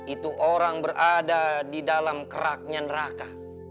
itu orang berada di dalam keraknya neraka